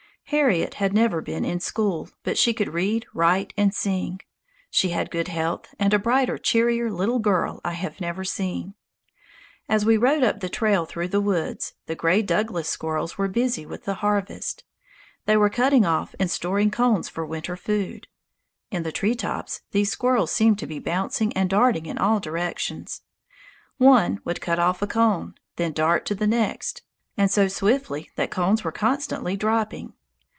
Harriet had never been in school, but she could read, write, and sing. She had good health, and a brighter, cheerier little girl I have never seen. As we rode up the trail through the woods, the gray Douglas squirrels were busy with the harvest. They were cutting off and storing cones for winter food. In the treetops these squirrels seemed to be bouncing and darting in all directions. One would cut off a cone, then dart to the next, and so swiftly that cones were constantly dropping.